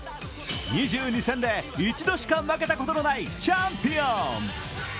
２２戦で１度しか負けたことのないチャンピオン。